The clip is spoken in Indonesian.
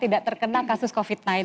tidak terkena kasus covid sembilan belas